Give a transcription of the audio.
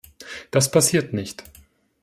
Das passiert nicht!